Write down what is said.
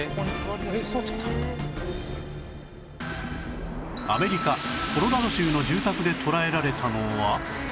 アメリカコロラド州の住宅で捉えられたのは